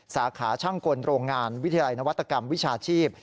สาขาช่างกลโรงงานวิทยาลัยนวัตกรรมวิชาชีพ